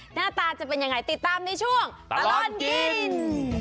หน้าตาจะเป็นยังไงติดตามในช่วงตลอดกิน